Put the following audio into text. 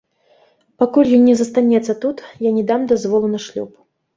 Пакуль ён не застанецца тут, я не дам дазволу на шлюб!